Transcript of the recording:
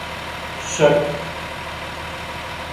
شک